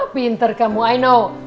pinter kamu i know